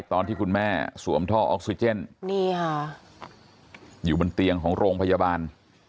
ตอนที่คุณแม่สวมท่อออกซิเจนนี่ค่ะอยู่บนเตียงของโรงพยาบาล